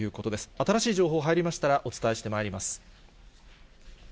新しい情報入りましたらお伝えしてまいります。